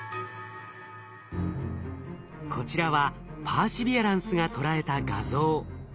こちらはパーシビアランスが捉えた画像。